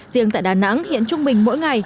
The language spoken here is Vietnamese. riêng tại đà nẵng hiện trung bình mỗi ngày